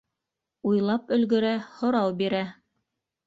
Уйлап өлгөрә, һорау бирә: